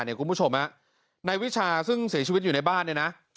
นายวิชาซึ่งเสียชีวิตอยู่ในบ้าน